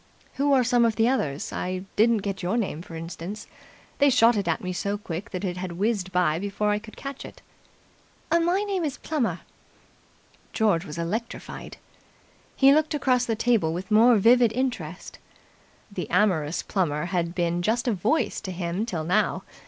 "Who are some of the others? I didn't get your name, for instance. They shot it at me so quick that it had whizzed by before I could catch it." "My name is Plummer." George was electrified. He looked across the table with more vivid interest. The amorous Plummer had been just a Voice to him till now.